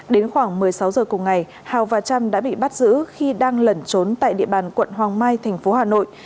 đến khoảng một mươi sáu giờ cùng ngày hào và trâm đã bị bắt giữ khi đang lẩn trốn tại địa bàn quận hoàng mai thành phố hà nội